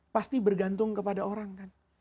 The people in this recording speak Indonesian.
pasti bergantung kepada orang kan